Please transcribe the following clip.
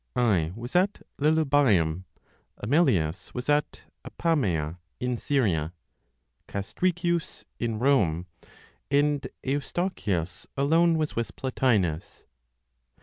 I was at Lilybaeum; Amelius was at Apamaea in Syria, Castricius in Rome, and Eustochius alone was with Plotinos.